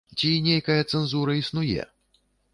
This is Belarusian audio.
Ці нейкая цэнзура існуе?